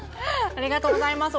ありがとうございます。